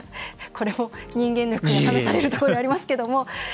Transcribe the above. これも人間力が試されるところでありますけども。